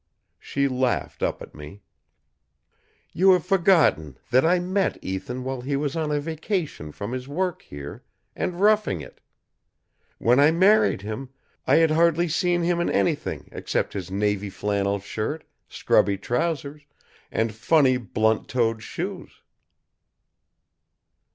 She laughed up at me. "You have forgotten that I met Ethan while he was on a vacation from his work here, and roughing it. When I married him, I had hardly seen him in anything except his Navy flannel shirt, scrubby trousers, and funny blunt toed shoes."